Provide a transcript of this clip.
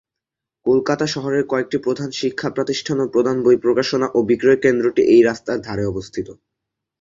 কলকাতা শহরের কয়েকটি প্রধান শিক্ষা প্রতিষ্ঠান এবং প্রধান বই প্রকাশনা ও বিক্রয় কেন্দ্রটি এই রাস্তার ধারে অবস্থিত।